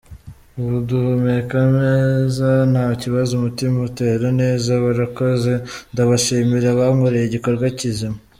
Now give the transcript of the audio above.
Ubu ndahumeka neza nta kibazo, umutima utera neza barakoze ndabashimira bankoreye igikorwa kizima.